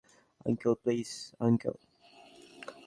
Uncle, please uncle.